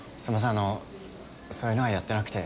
あのそういうのはやってなくて。